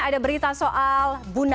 ada berita soal buna